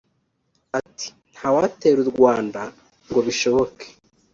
Ati “Ntawatera u Rwanda ngo bishoboke